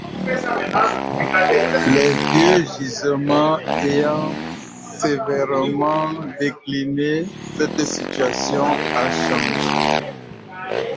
Les vieux gisements ayant sévèrement déclinés, cette situation a changé.